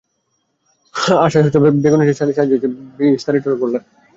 ওদিকে সাহায্যের আশায় বেগুনি রঙের টিনের বেড়ার ওপারে পড়েছে লম্বা লাইন।